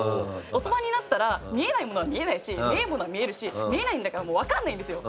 大人になったら見えないものは見えないし見えるものは見えるし見えないんだからもうわかんないんですよ。